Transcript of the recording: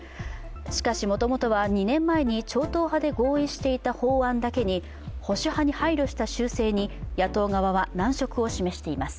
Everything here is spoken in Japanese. しかし、もともとは２年前に超党派で合意していた法案だけに保守派に配慮した修正に野党側は難色を示しています。